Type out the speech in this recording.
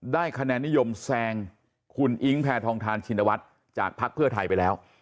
คะแนนนิยมแซงคุณอิ๊งแพทองทานชินวัฒน์จากภักดิ์เพื่อไทยไปแล้ว